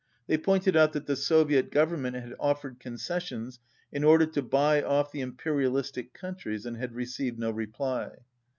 They pointed out that the Soviet Government had offered concessions in order to buy off the impe rialistic countries and had received no reply.